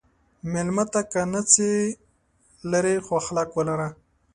مېلمه ته که نه څه لرې، خو اخلاق ولره.